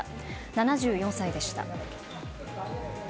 ７４歳でした。